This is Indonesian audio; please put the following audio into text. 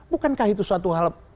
bukankah itu suatu hal